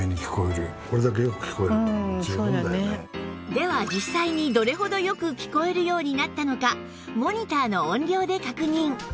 では実際にどれほどよく聞こえるようになったのかモニターの音量で確認